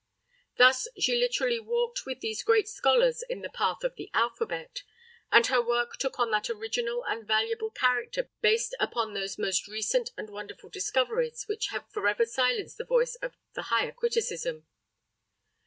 Thus she literally walked with these great scholars "In the Path of the Alphabet," and her work took on that original and valuable character based upon those most recent and wonderful discoveries which have forever silenced the voice of "The Higher Criticism."